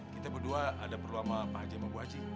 kita berdua ada perlu sama bu haji sama bu haji